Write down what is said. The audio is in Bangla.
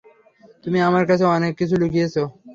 তুমি আমার কাছে অনেক কিছু লুকিয়েছ।